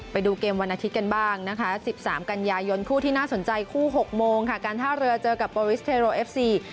ไปดูเกมวันอาทิตย์กันบ้างนะคะ๑๓กันยายนคู่ที่น่าสนใจคู่๖โมงค่ะการท่าเรือเจอกับโปริสเทโรเอฟซี